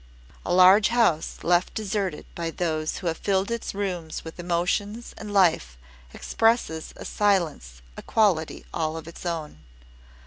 A large house left deserted by those who have filled its rooms with emotions and life, expresses a silence, a quality all its own.